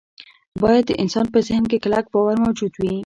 باید د انسان په ذهن کې کلک باور موجود وي